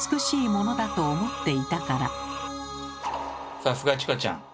さすがチコちゃん。